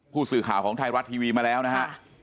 ผู้สื่อข่าวของไทยรัฐทีวีมาแล้วนะฮะ